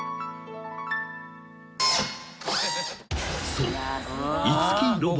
［そう］